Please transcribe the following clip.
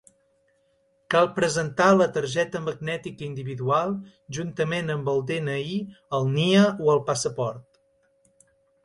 Cal presentar la targeta magnètica individual, juntament amb el DNI, el NIE o el passaport.